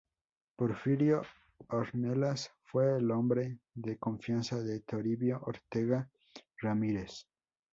Porfirio Ornelas fue el hombre de confianza de Toribio Ortega Ramírez.